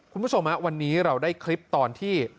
คุณผู้ชมวันนี้เราได้คลิปตอนที่